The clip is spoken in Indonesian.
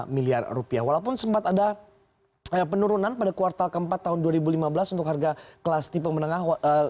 lima miliar rupiah walaupun sempat ada penurunan pada kuartal keempat tahun dua ribu lima belas untuk harga kelas tipe menengah